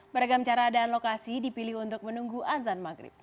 beragam cara dan lokasi dipilih untuk menunggu azan maghrib